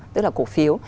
tức là cổ phiếu